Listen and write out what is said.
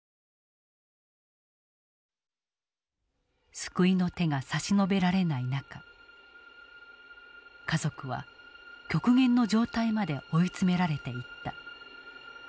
救いの手が差し伸べられない中家族は極限の状態まで追い詰められていった。